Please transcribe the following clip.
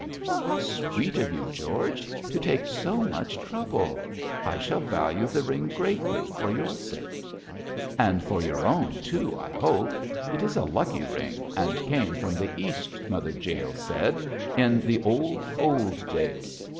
'How sweet of you, George, to take so much trouble! I shall value the ring greatly for your sake.' 'And for your own too, I hope. It is a lucky ring, and came from the East, Mother Jael said, in the old, old days.